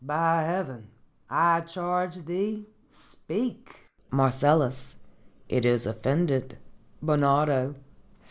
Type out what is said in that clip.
By Heaven I charge thee, speak! Marcellus. It is offended. _Bernardo.